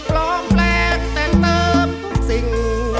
ล้องแปลกแต่เติบทุกสิ่ง